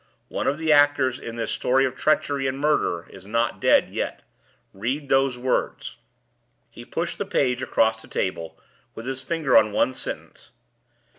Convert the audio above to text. One of the actors in this story of treachery and murder is not dead yet. Read those words." He pushed the page across the table, with his finger on one sentence.